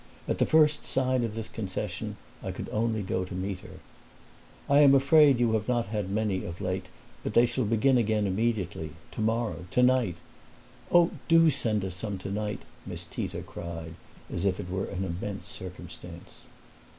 At the first sign of this concession I could only go to meet her. "I am afraid you have not had many, of late, but they shall begin again immediately tomorrow, tonight." "Oh, do send us some tonight!" Miss Tita cried, as if it were an immense circumstance.